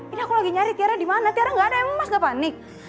ini aku lagi nyari tiara dimana tiara gak ada emang mas gak panik